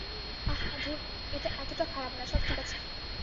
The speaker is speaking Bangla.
আহ, ধুর এটা এতটা খারাপ না সব ঠিক আছে।